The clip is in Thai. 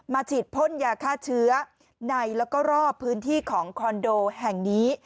ฉีดพ่นยาฆ่าเชื้อในแล้วก็รอบพื้นที่ของคอนโดแห่งนี้